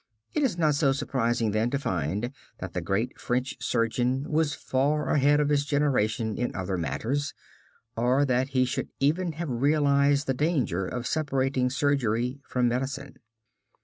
It is not so surprising, then, to find that the great French surgeon was far ahead of his generation in other matters, or that he should even have realized the danger of separating surgery from medicine.